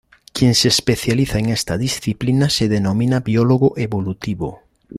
Quien se especializa en esta disciplina se denomina biólogo evolutivo.